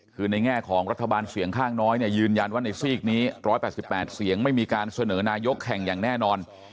คือในแง่ของรัฐบาลเสียงข้างน้อยเนี่ยยืนยันว่าในซีกนี้๑๘๘เสียงไม่มีการเสนอนายกแข่งอย่างแน่นอน